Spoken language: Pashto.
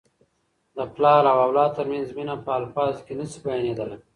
د پلار او اولاد ترمنځ مینه په الفاظو کي نه سي بیانیدلی.